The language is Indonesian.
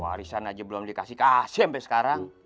warisan aja belum dikasih kasih sampe sekarang